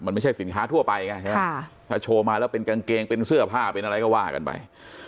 มันไม่ใช่สินค้าทั่วไปไงใช่ไหมถ้าโชว์มาแล้วเป็นกางเกงเป็นเสื้อผ้าเป็นอะไรก็ว่ากันไป